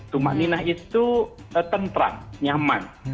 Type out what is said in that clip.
tumak nina itu tentram nyaman